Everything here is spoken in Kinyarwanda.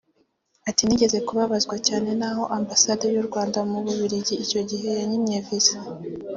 Ati "Nigeze kubabazwa cyane n’aho Ambasade y’u rwanda mu Bubiligi icyo gihe yanyimye Visa